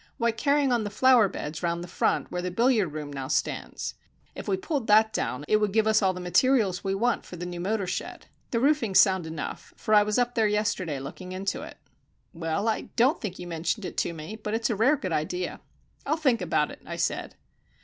Why, carrying on the flower beds round the front where the billiard room now stands. If we pulled that down it would give us all the materials we want for the new motor shed. The roofing's sound enough, for I was up yesterday looking into it." "Well, I don't think you mentioned it to me, but it's a rare good idea." "I'll think about it," I said.